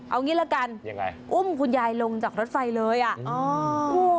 เอางี้ละกันอุ้มคุณยายลงจากรถไฟเลยอ่ะ